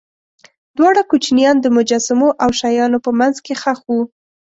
دواړه کوچنیان د مجسمو او شیانو په منځ کې ښخ وو.